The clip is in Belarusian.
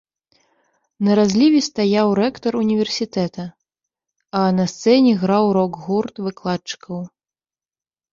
На разліве стаяў рэктар універсітэта, а на сцэне граў рок-гурт выкладчыкаў.